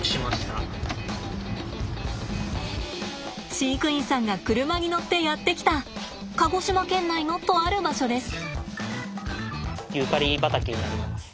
飼育員さんが車に乗ってやって来た鹿児島県内のとある場所です。